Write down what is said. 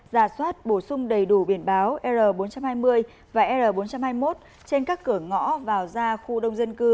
giả soát bổ sung đầy đủ biển báo r bốn trăm hai mươi và r bốn trăm hai mươi một trên các cửa ngõ vào ra khu đông dân cư